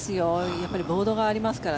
やっぱりボードがありますから。